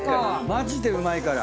マジでうまいから。